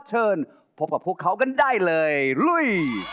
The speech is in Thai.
เชิญพบกับพวกเขากันได้เลยลุย